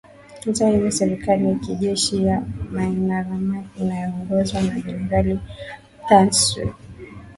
hata hivyo serikali yakijeshi ya mynamar inayoongozwa na generali thanswi